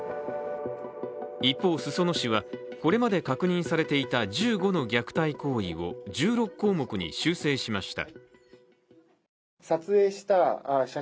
一方、裾野市は、これまで確認されていた１５の虐待行為を１６項目に修正しました。